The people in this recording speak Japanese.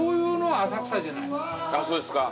そうですか。